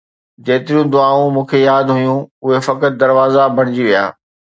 جيتريون دعائون مون کي ياد هيون، اهي فقط دروازا بڻجي ويا